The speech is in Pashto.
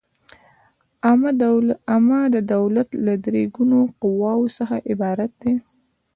عامه د دولت له درې ګونو قواوو څخه عبارت ده.